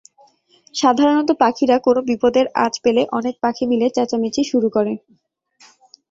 সাধারণত পাখিরা কোনো বিপদের আঁচ পেলে অনেক পাখি মিলে চেঁচামেচি শুরু করে।